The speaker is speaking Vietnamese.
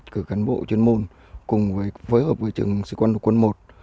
cụ chuyên môn cùng với phối hợp với trường sĩ quan lục quân i